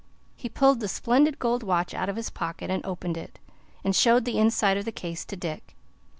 He pulled the splendid gold watch out of his pocket and opened it, and showed the inside of the case to Dick.